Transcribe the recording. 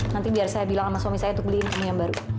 nanti biar saya bilang sama suami saya untuk beliin ilmu yang baru